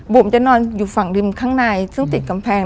ผมจะนอนอยู่ฝั่งริมข้างในซึ่งติดกำแพง